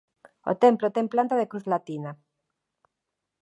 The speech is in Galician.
O templo ten planta de cruz latina.